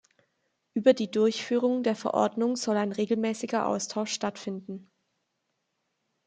Über die Durchführung der Verordnung soll ein regelmäßiger Austausch stattfinden.